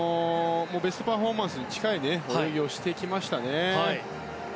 ベストパフォーマンスに近い泳ぎをしてきましたね。